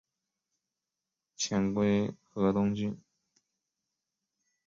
遣归河东郡。